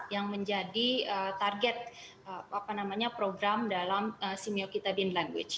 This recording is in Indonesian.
yang menjadi target program dalam simeokitabin language